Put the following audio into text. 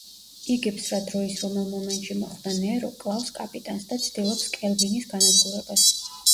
იგებს რა დროის რომელ მომენტში მოხვდა ნერო კლავს კაპიტანს და ცდილობს „კელვინის“ განადგურებას.